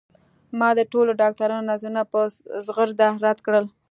ما د ټولو ډاکترانو نظرونه په زغرده رد کړل